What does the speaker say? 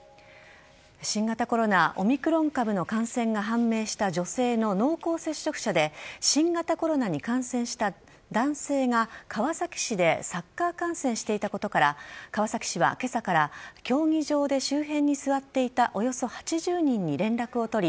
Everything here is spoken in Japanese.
新型コロナオミクロン株の感染が判明した女性の濃厚接触者で新型コロナに感染した男性が川崎市でサッカー観戦していたことから川崎市は今朝から競技場で周辺に座っていたおよそ８０人に連絡を取り